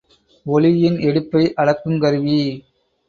ஒலியின் எடுப்பை அளக்குங் கருவி.